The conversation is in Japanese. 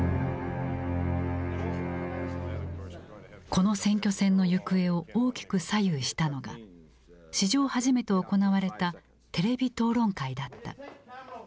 この選挙戦の行方を大きく左右したのが史上初めて行われたテレビ討論会だった。